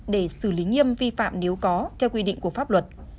để xử lý nghiêm vi phạm nếu có theo quy định của pháp luật